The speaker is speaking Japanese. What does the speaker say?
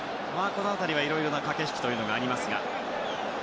この辺り、いろいろな駆け引きがありますが。